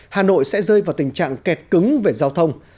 hà nội sẽ rơi vào tình trạng kẹt cứng về giao thông